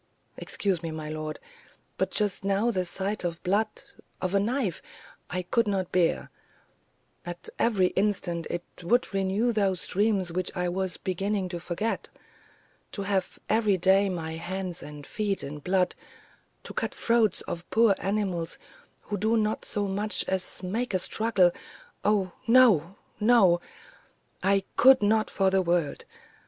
"Excuse me, my lord; but just now the sight of blood of a knife I could not bear; at every instant it would renew those dreams which I was beginning to forget. To have every day my hands and feet in blood, to cut the throats of poor animals who do not so much as make a struggle oh, no, no! I could not for the world.